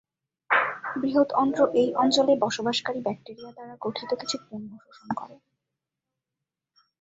বৃহৎ অন্ত্র এই অঞ্চলে বসবাসকারী ব্যাকটেরিয়া দ্বারা গঠিত কিছু পণ্য শোষণ করে।